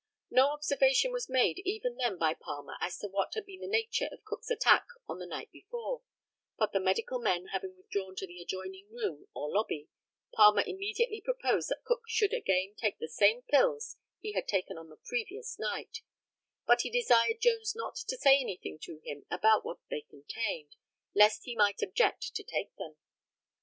No observation was made even then by Palmer as to what had been the nature of Cook's attack on the night before; but the medical men having withdrawn into the adjoining room or lobby, Palmer immediately proposed that Cook should again take the same pills he had taken on the previous night; but he desired Jones not to say anything to him about what they contained, lest he might object to take them.